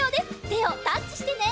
てをタッチしてね！